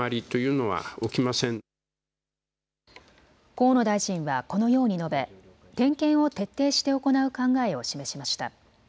河野大臣はこのように述べ点検を徹底して行う考えを示しました。